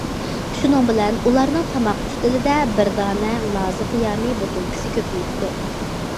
شۇنىڭ بىلەن ئۇلارنىڭ تاماق ئۈستىلىدە بىر دانە لازى قىيامى بوتۇلكىسى كۆپىيىپتۇ.